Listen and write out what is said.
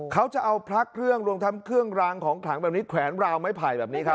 เขาจะเอาพระเครื่องรวมทั้งเครื่องรางของขลังแบบนี้แขวนราวไม้ไผ่แบบนี้ครับ